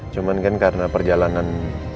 cuman kan karena perjalanan